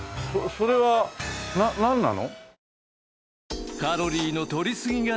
それはなんなの？